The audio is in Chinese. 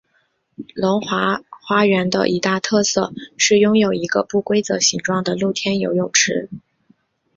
龙华花园的一大特色是拥有一个不规则形状露天游泳池。